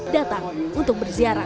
datang untuk berziarah